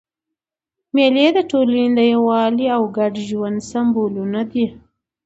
مېلې د ټولني د یووالي او ګډ ژوند سېمبولونه دي.